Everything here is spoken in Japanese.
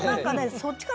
そっちかな。